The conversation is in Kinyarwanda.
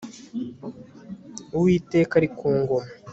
uwiteka ari ku ngoma